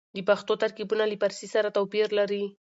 د پښتو ترکيبونه له فارسي سره توپير لري.